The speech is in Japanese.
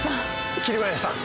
桐林さん